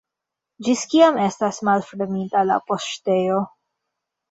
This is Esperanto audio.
Ĝis kiam estas malfermita la poŝtejo?